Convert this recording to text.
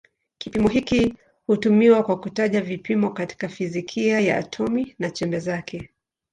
Kipimo hiki hutumiwa kwa kutaja vipimo katika fizikia ya atomi na chembe zake.